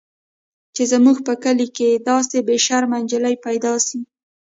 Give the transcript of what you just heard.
چې زموږ په کلي کښې دې داسې بې شرمه نجلۍ پيدا سي.